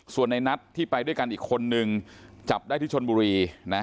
ส่วนในนัทที่ไปด้วยกันอีกคนนึงจับได้ที่ชนบุรีนะ